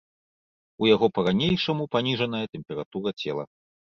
У яго па-ранейшаму паніжаная тэмпература цела.